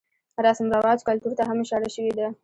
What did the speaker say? رسم رواج ،کلتور ته هم اشاره شوې ده.